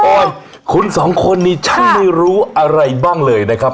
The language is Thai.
คุณสองคนนี้ช่างไม่รู้อะไรบ้างเลยนะครับ